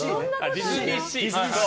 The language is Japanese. ディズニーシーだ。